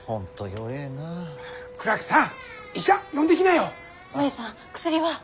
おえいさん薬は？